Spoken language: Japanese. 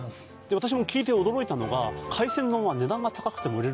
私も聞いて驚いたのがええ！？